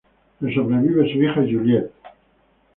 Le sobrevive su hija, Juliet.